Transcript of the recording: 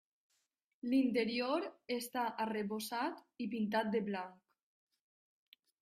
L'interior està arrebossat i pintat de blanc.